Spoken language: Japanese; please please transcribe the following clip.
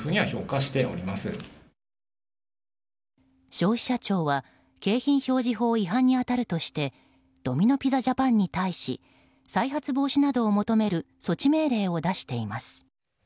消費者庁は景品表示法違反に当たるとしてドミノ・ピザジャパンに対し再発防止などを求める措置命令を出しています。